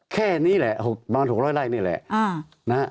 แค่นี้แหละประมาณ๖๐๐ไร่นี่แหละ